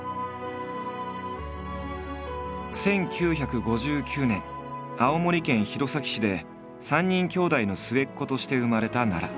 ぱっと何か１９５９年青森県弘前市で３人兄弟の末っ子として生まれた奈良。